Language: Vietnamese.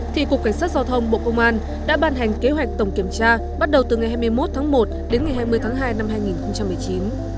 thì cục cảnh sát giao thông bộ công an đã ban hành kế hoạch tổng kiểm tra bắt đầu từ ngày hai mươi một tháng một đến ngày hai mươi tháng hai năm hai nghìn một mươi chín